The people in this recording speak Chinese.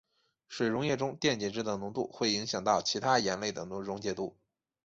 水溶液中电解质的浓度会影响到其他盐类的溶解度。